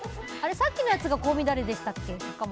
さっきのやつが香味ダレでしたっけ？